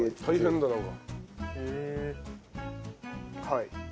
はい。